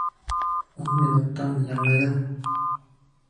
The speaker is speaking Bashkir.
Ун минуттан Яңы йыл!